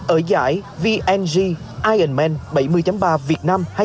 ở giải vng ironman bảy mươi ba việt nam